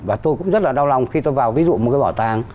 và tôi cũng rất là đau lòng khi tôi vào ví dụ một cái bảo tàng